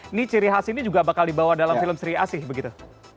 ini ciri khas ini juga bakal dibawa dalam film sri asih begitu